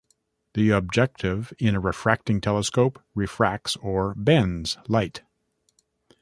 The objective in a refracting telescope refracts or bends light.